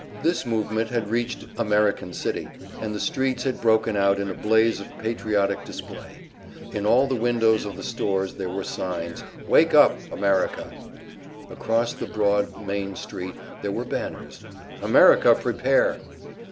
This movement had reached American City, and the streets had broken out in a blaze of patriotic display. In all the windows of the stores there were signs: "Wake up, America!" Across the broad Main Street there were banners: "America Prepare!"